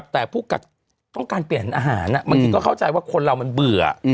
แต่ผู้กักต้องการเปลี่ยนอาหารบางทีก็เข้าใจว่าคนเรามันเบื่อ